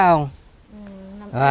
không không khỏe chú